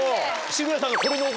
渋谷さんの。